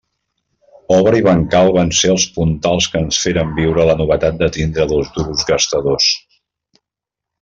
Obra i bancal van ser els puntals que ens feren viure la novetat de tindre dos duros gastadors.